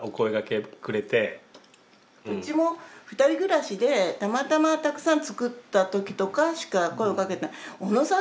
うちも２人暮らしでたまたまたくさん作った時とかしか声はかけない。